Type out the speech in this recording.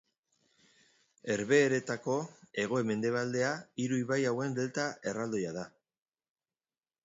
Herbehereetako hego-mendebaldea hiru ibai hauen delta erraldoia da.